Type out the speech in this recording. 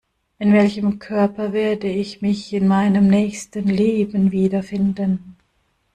In welchem Körper werde ich mich in meinem nächsten Leben wiederfinden?